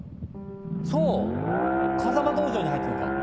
そう風間道場に入ったのか！